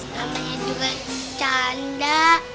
namanya juga bercanda